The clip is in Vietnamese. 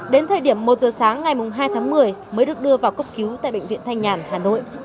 đến thời điểm một giờ sáng ngày hai tháng một mươi mới được đưa vào cấp cứu tại bệnh viện thanh nhàn hà nội